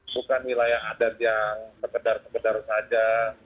bukan wilayah adat yang sekedar sekedar saja